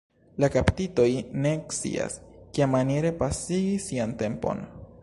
La kaptitoj ne scias, kiamaniere pasigi sian tempon.